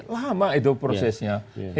lama itu prosesnya